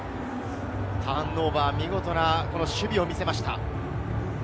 ターンオーバー、見事な守備を見せました。